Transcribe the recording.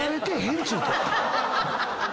っちゅうて。